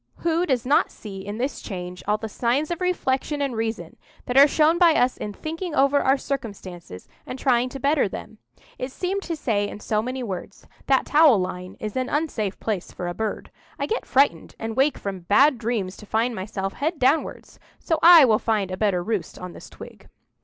Who does not see in this change all the signs of reflection and reason that are shown by us in thinking over our circumstances, and trying to better them? It seemed to say in so many words: "That towel line is an unsafe place for a bird; I get frightened, and wake from bad dreams to find myself head downwards; so I will find a better roost on this twig."